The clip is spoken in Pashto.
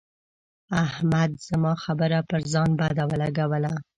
احمد زما خبره پر ځان بده ولګوله.